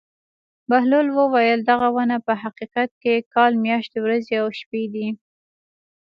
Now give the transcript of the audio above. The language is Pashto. بهلول وویل: دغه ونه په حقیقت کې کال میاشتې ورځې او شپې دي.